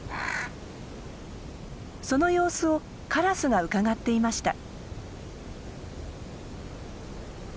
その様子をカラスがうかがっていました。